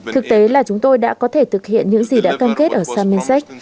thực tế là chúng tôi đã có thể thực hiện những gì đã can kết ở samensack